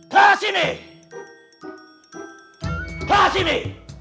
kelas sini kelas sini